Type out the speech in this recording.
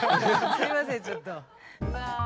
すいませんちょっと。